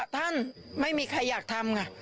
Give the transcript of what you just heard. ท่านไม่มีใครอยากทำไง